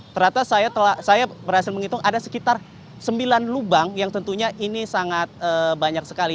ternyata saya berhasil menghitung ada sekitar sembilan lubang yang tentunya ini sangat banyak sekali